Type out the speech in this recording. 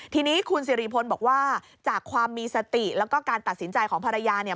ทีนี้คุณสิริพลบอกว่าจากความมีสติแล้วก็การตัดสินใจของภรรยาเนี่ย